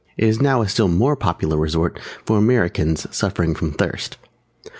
It is now a still more popular resort for Americans suffering from thirst.